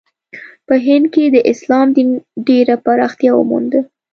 په هند کې د اسلام دین ډېره پراختیا ومونده.